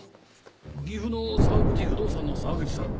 岐阜の沢口不動産の沢口さん